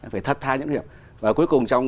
phải thật tha nhận khuyết điểm và cuối cùng trong